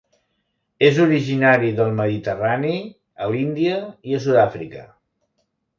És originari del Mediterrani, a l'Índia i a Sud-àfrica.